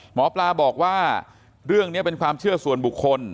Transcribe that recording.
หมอปลาบอกว่าเรื่องนี้เป็นความเชื่อส่วนบุคคล